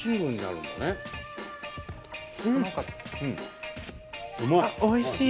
うまい！